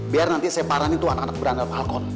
biar nanti saya parahin itu anak anak berandal falcon